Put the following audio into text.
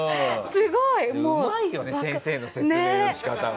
うまいよね、先生の説明の仕方が。